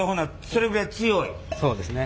そうですね。